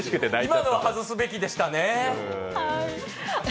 今のは外すべきでしたね。